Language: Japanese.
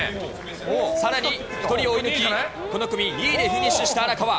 さらに１人追い抜き、この組２位でフィニッシュした荒川。